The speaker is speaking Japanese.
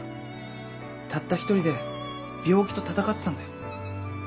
たった１人で病気と闘ってたんだよ。